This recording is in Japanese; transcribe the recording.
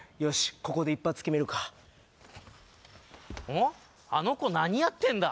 ここで一発きめるかおっあの子何やってんだ？